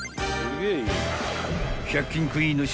［１００均クイーンの］